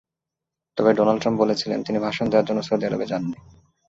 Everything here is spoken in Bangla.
তবে ডোনাল্ড ট্রাম্প বলেছিলেন, তিনি ভাষণ দেওয়ার জন্য সৌদি আরবে যাননি।